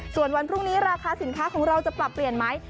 ส่วนวันพรุ่งนี้ราคาสินค้าของเราจะปรับเปลี่ยนไหม